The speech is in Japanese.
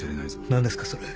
何ですかそれ？